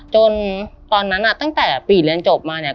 ตอนนั้นตั้งแต่ปีเรียนจบมาเนี่ย